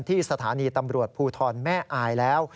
ที่สถานีตำรวจภูทรแม่อายแล้ว